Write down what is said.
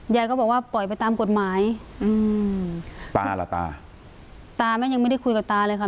ยายก็บอกว่าปล่อยไปตามกฎหมายอืมตาล่ะตาตาแม่งยังไม่ได้คุยกับตาเลยค่ะ